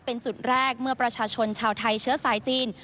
เป็นจุดแรกเมื่อประชาชนชาวไทยเชื้อสายจีน